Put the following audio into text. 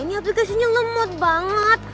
ini aplikasinya lemot banget